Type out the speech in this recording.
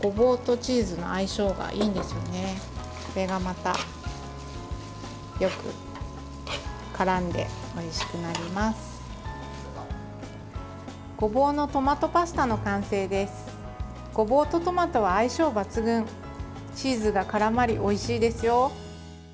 チーズがからまりおいしいですよ。